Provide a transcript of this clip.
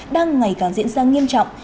đang ngày càng diễn ra nghiêm trọng